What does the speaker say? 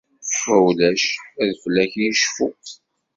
Ma ulac ad fell-ak yecfu.